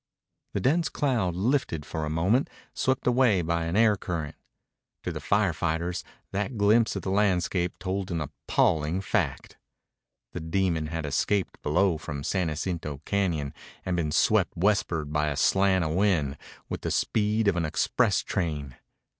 The dense cloud lifted for a moment, swept away by an air current. To the fire fighters that glimpse of the landscape told an appalling fact. The demon had escaped below from San Jacinto Cañon and been swept westward by a slant of wind with the speed of an express train.